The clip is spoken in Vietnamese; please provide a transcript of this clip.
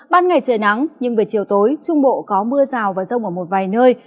ban ngày trời nắng nhưng về chiều tối trung bộ có mưa rào và rông ở một vài nơi